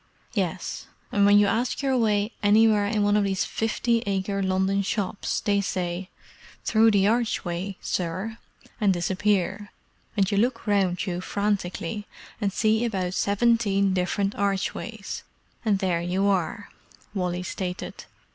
"Yes, and when you ask your way anywhere in one of these fifty acre London shops they say, 'Through the archway, sir,' and disappear: and you look round you frantically, and see about seventeen different archways, and there you are," Wally stated.